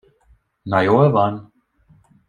Na jól van!